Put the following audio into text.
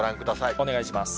お願いします。